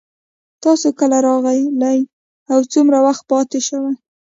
تاسو کله راغلئ او څومره وخت پاتې شوئ